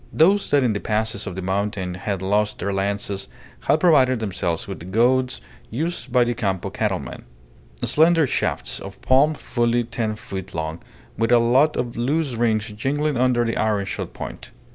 Those that in the passes of the mountain had lost their lances had provided themselves with the goads used by the Campo cattlemen: slender shafts of palm fully ten feet long, with a lot of loose rings jingling under the ironshod point.